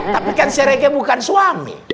tapi kan sirege bukan suami